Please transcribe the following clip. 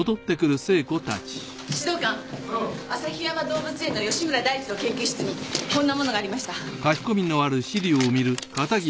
指導官旭山動物園の芳村大地の研究室にこんなものがありました。